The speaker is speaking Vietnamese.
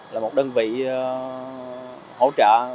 là một đơn vị hỗ trợ